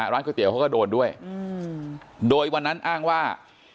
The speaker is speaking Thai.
ก๋วยเตี๋ยเขาก็โดนด้วยโดยวันนั้นอ้างว่า